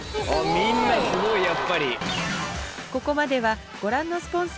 みんなすごいやっぱり。